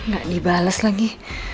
gak dibales lagi